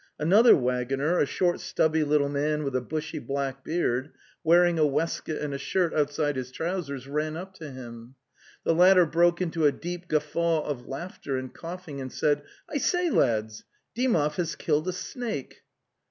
Another wag goner, a short stubby little man with a bushy black beard, wearing a waistcoat and a shirt outside his trousers, ran up to him. 'The latter broke into a deep guffaw of laughter and coughing and said: "I say, lads, Dymov has killed a snake!